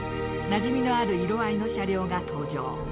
なじみのある色合いの車両が登場。